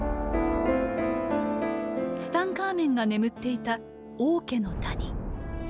ツタンカーメンが眠っていた王家の谷。